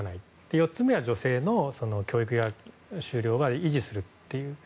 ４つ目は女性の教育や就労は維持するという。